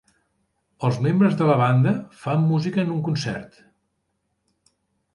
Els membres de la banda fan música en un concert.